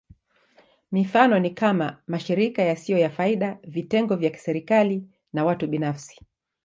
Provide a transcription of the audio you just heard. Mifano ni kama: mashirika yasiyo ya faida, vitengo vya kiserikali, na watu binafsi.